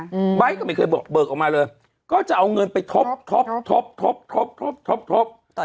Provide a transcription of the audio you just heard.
อืมไบท์ก็ไม่เคยบอกเบิกออกมาเลยก็จะเอาเงินไปทบทบทบทบทบทบทบทบทบทบ